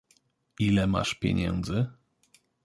Ile masz pieniędzy?